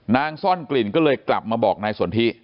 ซ่อนกลิ่นก็เลยกลับมาบอกนายสนทิ